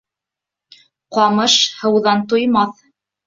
Ҡамыш һыуҙан туймаҫ